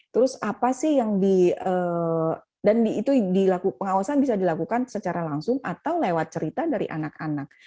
terus apa sih yang dilakukan secara langsung atau lewat cerita dari anak anak